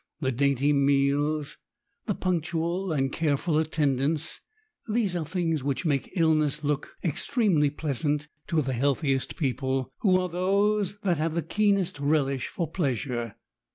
— the dainty meals — ^the punctual and careful attendance— these are things which make iUness look extremely pleasant to the healthiest people, who are those that have the keenest relish for pleasure.